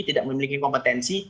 tidak memiliki kompetensi